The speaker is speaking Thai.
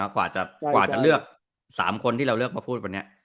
กว่าจะเลือก๓คนที่เราเลือกมาพูดวันนี้